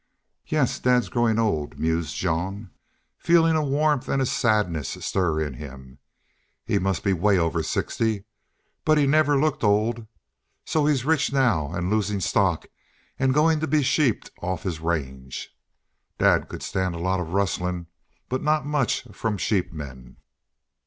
"Yes, dad's growin' old," mused Jean, feeling a warmth and a sadness stir in him. "He must be 'way over sixty. But he never looked old.... So he's rich now an' losin' stock, an' goin' to be sheeped off his range. Dad could stand a lot of rustlin', but not much from sheepmen."